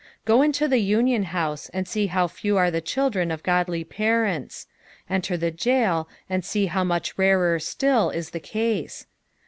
Qo into the union house and see how few are the children of godl^ parents ; enter the gaol and aee how much rarer stilt is the case.